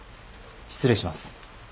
失礼します。